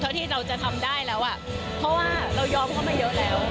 ที่เราจะทำได้แล้วอ่ะเพราะว่าเรายอมเข้ามาเยอะแล้ว